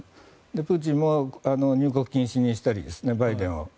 プーチンも入国禁止にしたりバイデンを。